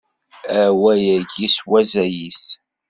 Awal-agi s wazal-is.